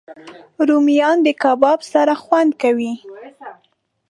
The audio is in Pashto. رومیان د کباب سره خوند کوي